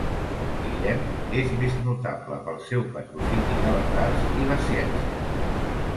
Guillem és més notable pel seu patrocini de les arts i les ciències.